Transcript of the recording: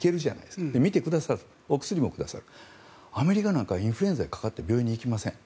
診てくださるお薬もくださるアメリカなんかインフルエンザにかかっても病院に行きません。